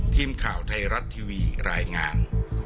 ทีมข่าวไทยรัฐทีวีรายงาน